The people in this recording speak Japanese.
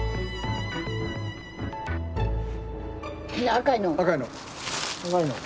赤いの。